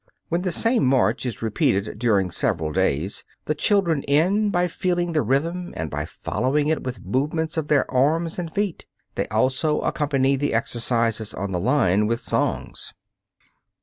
When the same march is repeated during several days, the children end by feeling the rhythm and by following it with movements of their arms and feet. They also accompany the exercises on the line with songs.